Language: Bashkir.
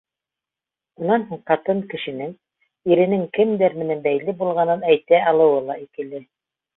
Унан һуң ҡатын кешенең иренең кемдәр менән бәйле булғанын әйтә алыуы ла икеле.